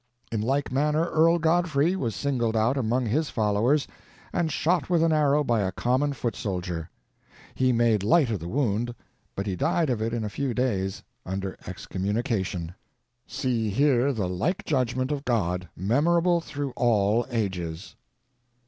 In like manner Earl Godfrey was singled out among his followers, and shot with an arrow by a common foot soldier. He made light of the wound, but he died of it in a few days, under excommunication. See here the like judgment of God, memorable through all ages!